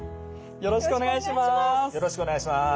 よろしくお願いします。